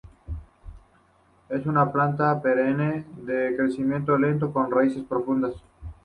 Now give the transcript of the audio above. Es una planta perenne, de crecimiento lento, con raíces profundas.